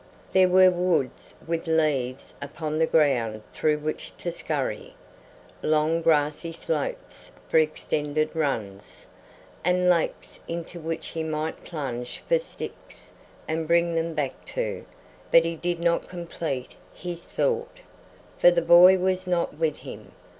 There were woods with leaves upon the ground through which to scurry, long grassy slopes for extended runs, and lakes into which he might plunge for sticks and bring them back to But he did not complete his thought, for the boy was not with him.